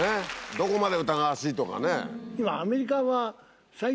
どこまで疑わしいとかね。